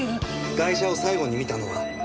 ガイシャを最後に見たのは？